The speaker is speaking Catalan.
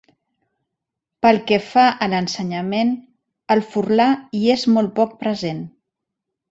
Pel que fa a l'ensenyament, el furlà hi és molt poc present.